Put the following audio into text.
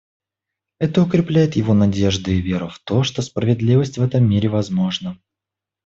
Это укрепляет его надежду и веру в то, что справедливость в этом мире возможна.